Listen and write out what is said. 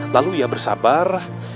lalu ia bersabar